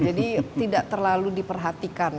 jadi tidak terlalu diperhatikan